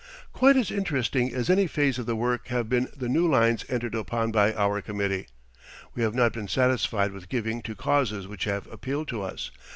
Quite as interesting as any phase of the work have been the new lines entered upon by our committee. We have not been satisfied with giving to causes which have appealed to us.